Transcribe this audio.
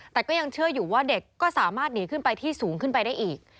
แต่ก็ยังเชื่ออยู่ว่าเด็กก็สามารถหนีขึ้นไปที่สูงขึ้นไปได้อีก